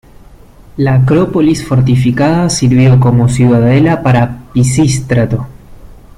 La Acrópolis fortificada sirvió como ciudadela para Pisístrato.